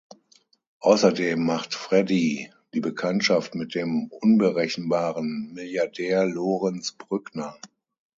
Außerdem macht Freddy die Bekanntschaft mit dem unberechenbaren Milliardär Lorenz Brückner.